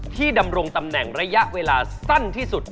ดำรงตำแหน่งระยะเวลาสั้นที่สุด